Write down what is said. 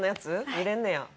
見れんねや。